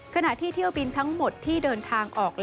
ขณะที่เที่ยวบินทั้งหมดที่เดินทางออก